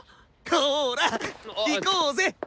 ほら行こうぜ！